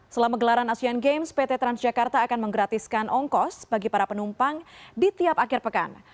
selama gelaran asean games pt transjakarta akan menggratiskan ongkos bagi para penumpang di tiap akhir pekan